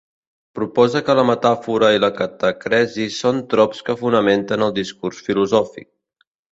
Proposa que la metàfora i la catacresi són trops que fonamenten el discurs filosòfic.